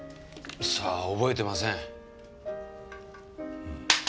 さあ覚えてません。